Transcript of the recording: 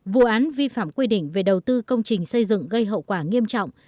vụ án vi phạm quy định về đầu tư công trình xây dựng gây hậu quả nghiêm trọng